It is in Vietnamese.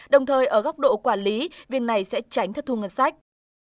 đồng thời ở góc độ quản lý viên này sẽ tránh thất thu ngân sách